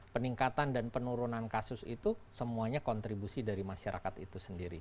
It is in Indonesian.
peningkatan dan penurunan kasus itu semuanya kontribusi dari masyarakat itu sendiri